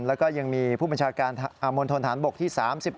แล้วก็ยังมีผู้บัญชาการมณฑนฐานบกที่๓๑